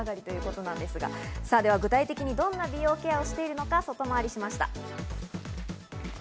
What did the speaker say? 具体的にどんな美容ケアをしているのか外回りしました。